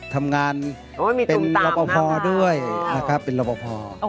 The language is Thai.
ทำงานเป็นระบบพอด้วยเป็นระบบพอ